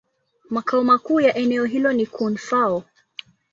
Makao makuu ya eneo hilo ni Koun-Fao.